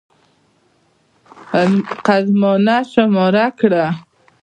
قدمانه شماره کړه.